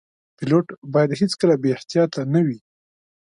پیلوټ باید هیڅکله بې احتیاطه نه وي.